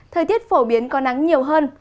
thời tiết phổ biến có nắng nhiều hơn